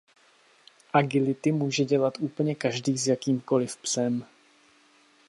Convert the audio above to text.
Agility může dělat úplně každý s jakýmkoliv psem.